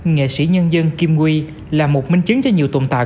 nghệ sĩ nhân dân kim quy là một minh chứng cho nhiều tồn tại